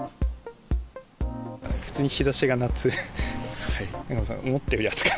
普通に日ざしが夏。